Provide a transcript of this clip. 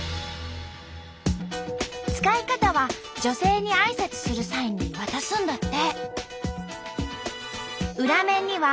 使い方は女性にあいさつする際に渡すんだって。